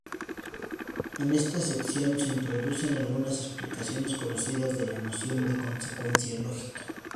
En esta sección se introducen algunas explicaciones conocidas de la noción de consecuencia lógica.